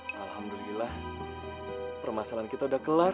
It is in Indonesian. alhamdulillah permasalahan kita udah kelar